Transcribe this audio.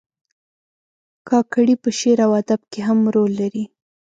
کاکړي په شعر او ادب کې هم رول لري.